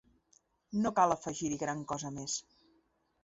No cal afegir-hi gran cosa més.